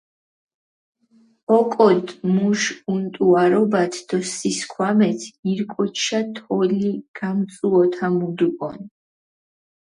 ოკოდჷ მუშ უნტუარობათ დო სისქვამათ ირკოჩშა თოლი გამწუჸოთამუდუკონ.